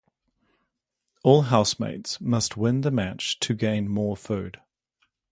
All housemates must win the match to gain more food.